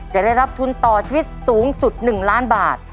จะได้รับทุนต่อชีวิตสูงสุด๑ล้านบาท